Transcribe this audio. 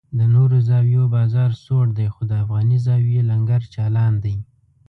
د نورو زاویو بازار سوړ دی خو د افغاني زاویې لنګر چالان دی.